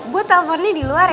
gue teleponnya di luar ya